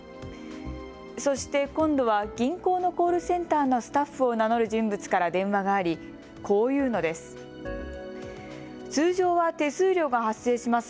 そして今度は銀行のコールセンターのスタッフを名乗る人物から電話があり、こう言うのです。